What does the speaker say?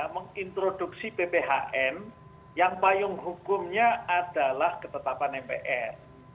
mengintroduksi pphn yang payung hukumnya adalah ketetapan mpr